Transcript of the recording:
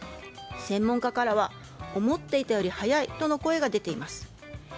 専門家からは思っていたより早いとも声が出ています。